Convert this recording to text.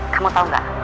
kamu tau gak